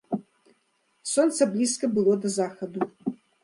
Сонца блізка было да захаду.